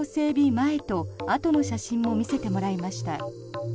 前とあとの写真も見せてもらいました。